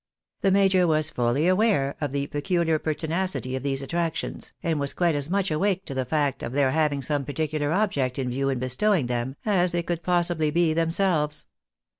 The major was fully aware of the peculiar pertinacity of these attractions, and was quite as much awake to the fact of their having some particular object in view in bestowing them, as they could possibly be themselves.